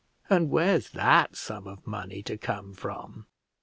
and where's that sum of money to come from?"